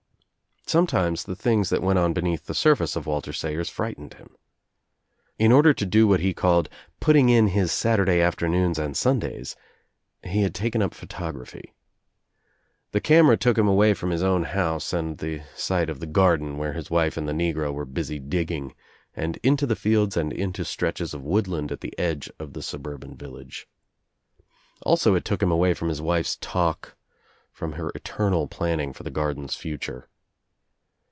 Sometimes the things that went on beneath the sur face of Walter Sayers frightened him. In order to ;o what he called "putting in his Saturday afternoons id Sundays" he had taken up photography. The 210 THE TRIUMPH OF THE EGG camera took him away from his own house and the' sight of the garden where his wife and the negro were busy digging, and into the fields and Into stretches of woodland at the edge of the suburban village. Also it took him away from his wife's talk, from her eternal planning for the garden's future.